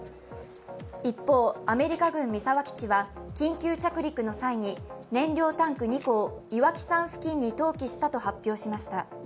一方、アメリカ軍三沢基地は緊急着陸の際に燃料タンク２個を岩木山付近に投棄したと発表しました。